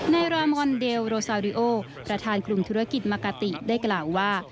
รามอนเดลโรซาริโอประธานกลุ่มธุรกิจมากาติได้กล่าวว่า